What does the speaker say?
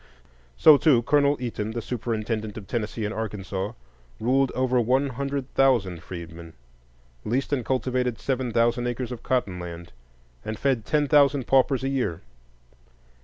So, too, Colonel Eaton, the superintendent of Tennessee and Arkansas, ruled over one hundred thousand freedmen, leased and cultivated seven thousand acres of cotton land, and fed ten thousand paupers a year.